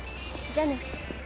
じゃあね。